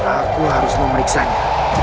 aku harus memeriksanya